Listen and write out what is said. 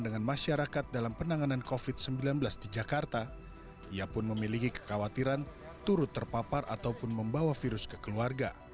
dengan masyarakat dalam penanganan covid sembilan belas di jakarta ia pun memiliki kekhawatiran turut terpapar ataupun membawa virus ke keluarga